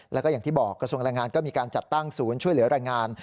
แล้วก็อย่างที่บอกกระทรวงแรงงานก็มีการจัดตั้งศูนย์ช่วยเหลือแรงงาน